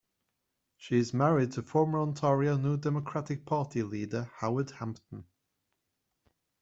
She is married to former Ontario New Democratic Party leader Howard Hampton.